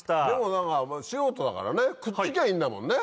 でも素人だからねくっつきゃいいんだもんね。